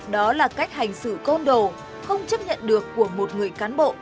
đó là cách hành xử côn đồ không chấp nhận được của một người cán bộ